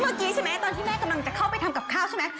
เมื่อกี้ใช่ไหมตอนที่แม่กำลังจะเข้าไปทำกับข้าวใช่ไหม